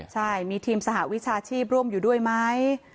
ใช่มีทีมสหวิชาชีพร่วมอยู่ด้วยไหม